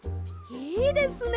いいですね。